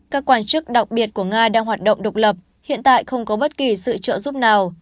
các quan chức đặc biệt của nga đang hoạt động độc lập hiện tại không có bất kỳ sự trợ giúp nào